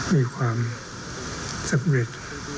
มีความสำเร็จ